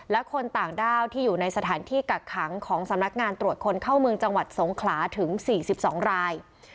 และคนต่างด้าวที่อยู่ในสถานที่กักขังของสำนักงานตรวจคนเข้าเมืองจังหวัดสงขลาถึง๔๒ราย